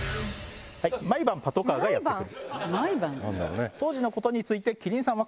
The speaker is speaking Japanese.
毎晩パトカーがやってくる。